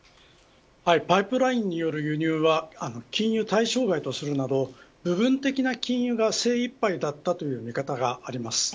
パイプラインによる輸入は禁輸対象外とするなど部分的な禁輸が精いっぱいだったという見方があります。